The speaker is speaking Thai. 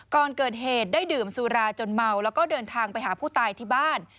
ก่อนเกิดเหตุได้ดื่มสุราจนเมาแล้วก็เดินทางไปหาผู้ตายที่บ้าน